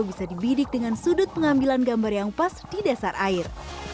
bisa dibidik dengan sudut pengambilan gambar yang pas di dasar air